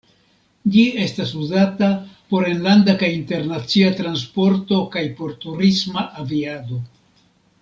Ĝi estas uzata por enlanda kaj internacia transporto kaj por turisma aviado.